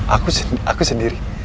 aku aku sendiri